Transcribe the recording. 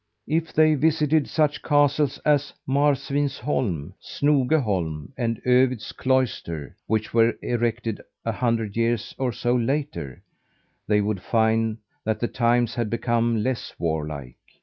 If they visited such castles as Marsvinsholm, Snogeholm and Övid's Cloister which were erected a hundred years or so later they would find that the times had become less warlike.